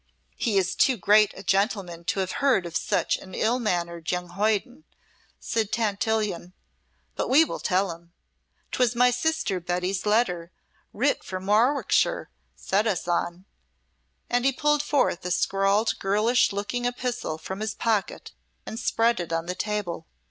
"He is too great a gentleman to have heard of such an ill mannered young hoyden," said Tantillion, "but we will tell him. 'Twas my sister Betty's letter writ from Warwickshire set us on," and he pulled forth a scrawled girlish looking epistle from his pocket and spread it on the table.